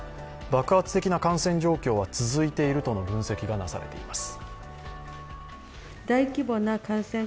爆発的な感染状況は続いているとの分析がなされています。